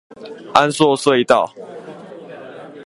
安朔隧道